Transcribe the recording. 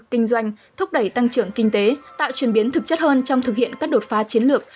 kinh doanh thúc đẩy tăng trưởng kinh tế tạo truyền biến thực chất hơn trong thực hiện các đột phá chiến lược